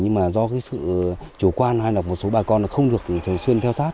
nhưng mà do cái sự chủ quan hay là một số bà con không được thường xuyên theo sát